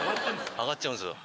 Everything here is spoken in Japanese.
上がっちゃうんすよ。